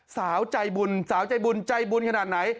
สาวใจบุญสาวใจบุญใจบุญขนาดไหน